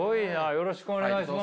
よろしくお願いします。